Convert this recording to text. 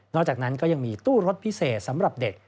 อกจากนั้นก็ยังมีตู้รถพิเศษสำหรับเด็ก